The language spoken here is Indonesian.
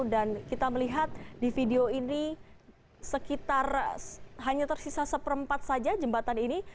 dan kita melihat di video ini sekitar hanya tersisa seperempat saja jembatan ini